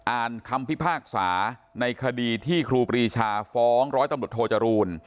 อ่านคำพิพากษาในคดีที่ครูปรีชาฟ้องร้อยตำรวจโทจรูล